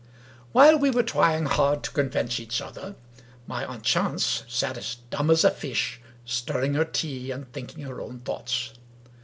While we were trying hard to convince each other, my aunt Chance sat as dumb as a fish, stirring her tea and thinking her own thoughts.